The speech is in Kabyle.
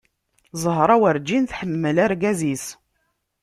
Zahra urǧin tḥemmel argaz-is.